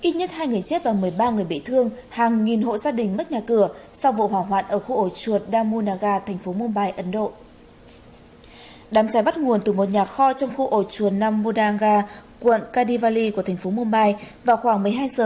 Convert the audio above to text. các bạn hãy đăng ký kênh để ủng hộ kênh của chúng mình nhé